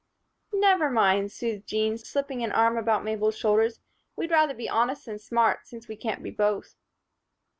"Never mind," soothed Jean, slipping an arm about Mabel's shoulders, "we'd rather be honest than smart, since we can't be both."